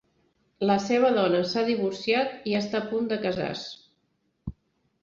La seva dona s'ha divorciat i està a punt de casar-se.